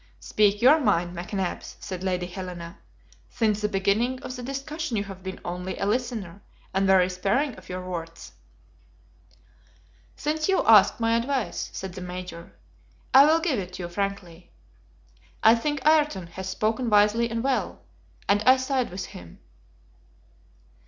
"Speak your mind, McNabbs," said Lady Helena. "Since the beginning of the discussion you have been only a listener, and very sparing of your words." "Since you ask my advice," said the Major, "I will give it you frankly. I think Ayrton has spoken wisely and well, and I side with him."